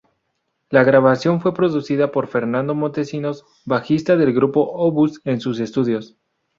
La grabación fue producida por Fernando Montesinos, bajista del grupo Obús, en sus estudios.